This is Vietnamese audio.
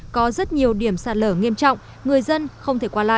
có rất nhiều điểm sạt lở nghiêm trọng người dân không thể qua lại